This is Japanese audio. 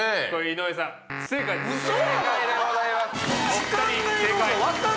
お２人正解！